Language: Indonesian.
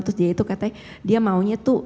terus dia itu katanya dia maunya tuh